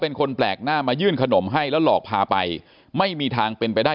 เป็นคนแปลกหน้ามายื่นขนมให้แล้วหลอกพาไปไม่มีทางเป็นไปได้